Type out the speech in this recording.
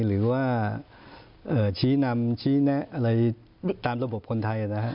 หรือว่าชี้นำชี้แนะอะไรตามระบบคนไทยนะฮะ